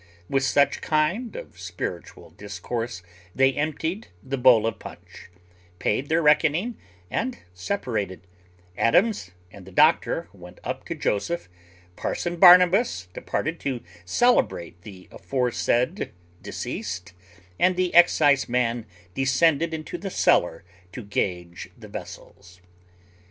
With such kind of spiritual discourse, they emptied the bowl of punch, paid their reckoning, and separated: Adams and the doctor went up to Joseph, parson Barnabas departed to celebrate the aforesaid deceased, and the exciseman descended into the cellar to gauge the vessels.